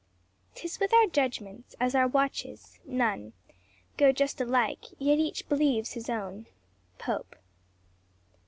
"'Tis with our judgments as our watches, none Go just alike, yet each believes his own." POPE.